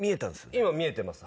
今、見えてます。